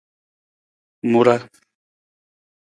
Mu ra.